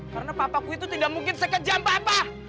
karena papaku itu tidak mungkin sekejam papa